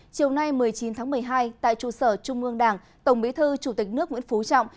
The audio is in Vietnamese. chiều nay một mươi chín tháng một mươi hai tại trụ sở trung ương đảng tổng bí thư chủ tịch nước nguyễn phú trọng